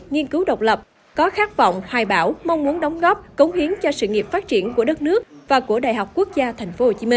nghiên cứu độc lập có khát vọng hài bảo mong muốn đóng góp cống hiến cho sự nghiệp phát triển của đất nước và của đại học quốc gia tp hcm